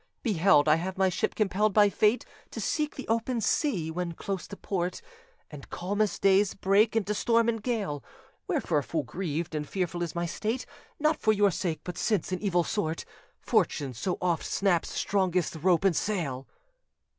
Beheld I have my ship compelled by fate To seek the open sea, when close to port, And calmest days break into storm and gale; Wherefore full grieved and fearful is my state, Not for your sake, but since, in evil sort, Fortune so oft snaps strongest rope and sail."